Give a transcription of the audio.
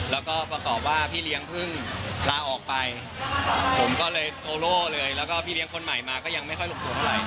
แล้วก็ประกอบว่าพี่เลี้ยงเพิ่งลาออกไปผมก็เลยโซโล่เลยแล้วก็พี่เลี้ยงคนใหม่มาก็ยังไม่ค่อยลงตัวเท่าไห